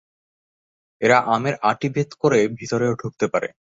এরা আমের অাঁটি ভেদ করে ভিতরেও ঢুকতে পারে।